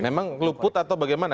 memang luput atau bagaimana